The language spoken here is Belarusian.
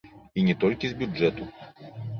І не толькі з бюджэту.